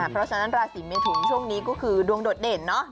เพราะฉะนั้นราศีเมทุนช่วงนี้ก็คือดวงโดดเด่นเนอะ